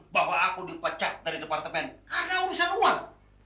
bahwa aku dipecat dari departemen karena urusan uang